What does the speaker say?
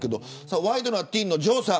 ワイドナティーンの城さん。